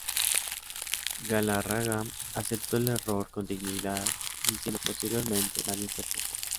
Galarraga aceptó el error con dignidad, diciendo posteriormente: "Nadie es perfecto".